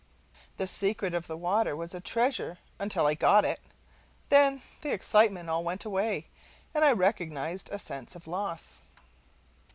The secret of the water was a treasure until I GOT it; then the excitement all went away, and I recognized a sense of loss.